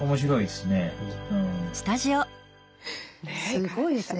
すごいですね。